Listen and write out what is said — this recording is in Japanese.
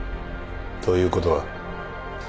ということは？